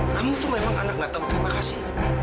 kamu tuh memang anak gak tahu terima kasih